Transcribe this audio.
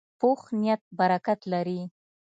پوخ نیت برکت لري